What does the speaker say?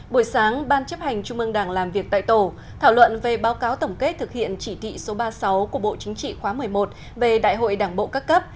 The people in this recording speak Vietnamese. buổi sáng ban chấp hành trung mương đảng làm việc tại tổ thảo luận về báo cáo tổng kết thực hiện chỉ thị số ba mươi sáu của bộ chính trị khóa một mươi một về đại hội đảng bộ các cấp